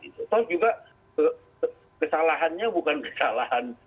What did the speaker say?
atau juga kesalahannya bukan kesalahan